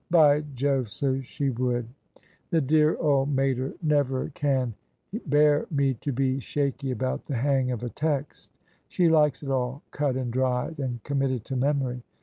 " By Jove, so she would ! The dear old mater never can THE SUBJECTION bear me to be shaky about the hang of a text: she likes it all cut and dried, and conunitted to memory.